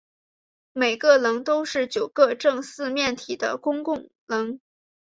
每个棱都是九个正四面体的公共棱。